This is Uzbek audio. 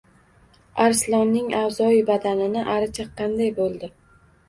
Arslonning a’zoi badanini ari chaqqanday bo‘ldi.